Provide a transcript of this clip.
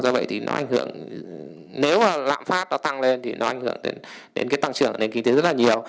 do vậy thì nó ảnh hưởng nếu mà lạm phát nó tăng lên thì nó ảnh hưởng đến cái tăng trưởng nền kinh tế rất là nhiều